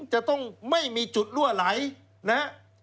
จะต้องไม่มีจุดรั่วไหลนะฮะ